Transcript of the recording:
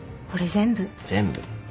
全部。